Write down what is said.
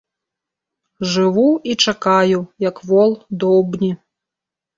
Жыву і чакаю, як вол доўбні.